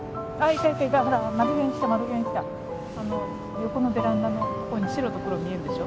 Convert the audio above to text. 横のベランダのとこに白と黒見えるでしょ？